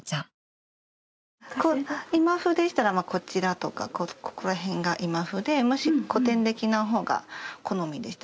今風でしたらこちらとかここら辺が今風でもし古典的な方が好みでしたら。